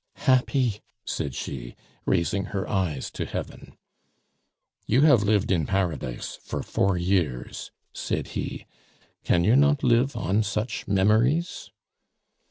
"Happy!" said she, raising her eyes to heaven. "You have lived in Paradise for four years," said he. "Can you not live on such memories?"